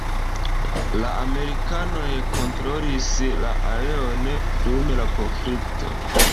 La amerikanoj kontrolis la areon dum la konflikto.